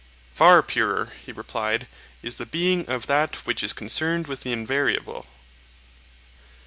Far purer, he replied, is the being of that which is concerned with the invariable.